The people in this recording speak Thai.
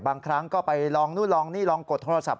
บางครั้งก็ไปลองนู่นลองนี่ลองกดโทรศัพ